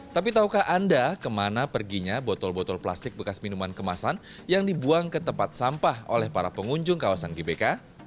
tapi tahukah anda kemana perginya botol botol plastik bekas minuman kemasan yang dibuang ke tempat sampah oleh para pengunjung kawasan gbk